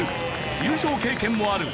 優勝経験もある『Ｑさま！！』